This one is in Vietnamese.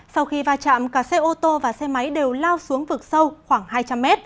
sau khi va chạm cả xe ô tô và xe máy đều lao xuống vực sâu khoảng hai trăm linh m